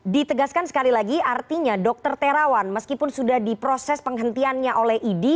ditegaskan sekali lagi artinya dr terawan meskipun sudah diproses penghentiannya oleh idi